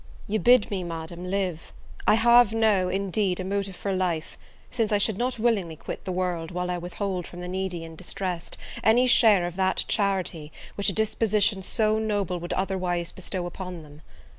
You bid me, Madam, live: I have now, indeed, a motive for life, since I should not willingly quit the world, while I withhold from the needy and distressed any share of that charity which a disposition so noble would otherwise bestow upon them.